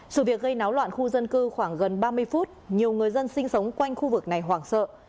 sự việc gây náo loạn khu dân cư khoảng gần ba mươi phút nhiều người dân sinh sống quanh khu vực này hoảng sợ